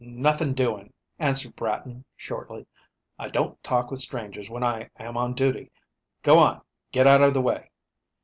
"Nothing doing," answered Bratton shortly. "I don't talk with strangers when I am on duty. Go on. Get out of the way."